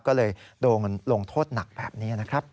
ก็เลยโดนลงโทษหนักแบบนี้นะครับ